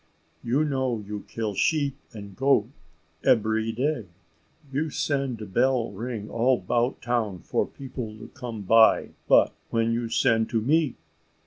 You know you kill sheep and goat ebery day. You send bell ring all 'bout town for people to come buy; but when you send to me?